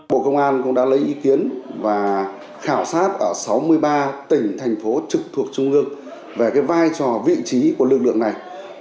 bộ công an cũng đã lấy ý kiến và khảo sát ở sáu mươi ba tỉnh thành phố trực thuộc trung ương về vai trò vị trí của lực lượng này